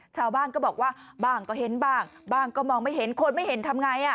ชาวบ้านก็บอกว่าบ้างก็เห็นบ้างบ้างก็มองไม่เห็นคนไม่เห็นทำไง